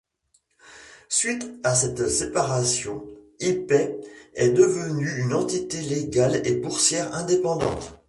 Suite à cette séparation, HiPay est devenu une entité légale et boursière indépendante.